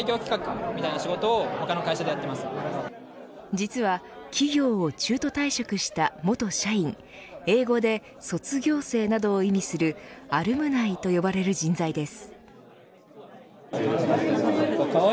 実は企業を中途退職した元社員英語で卒業生などを意味するアルムナイと呼ばれる人材です。